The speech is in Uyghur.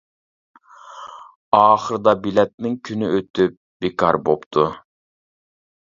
ئاخىرىدا بېلەتنىڭ كۈنى ئۆتۈپ، بىكار بوپتۇ.